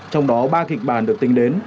trong đó ba kịch bản được tính đến